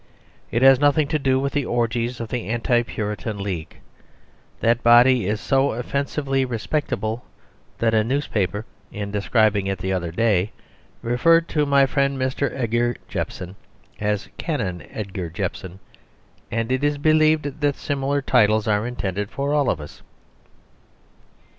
It has nothing to do with the orgies of the Anti Puritan League. That body is so offensively respectable that a newspaper, in describing it the other day, referred to my friend Mr. Edgar Jepson as Canon Edgar Jepson; and it is believed that similar titles are intended for all of us.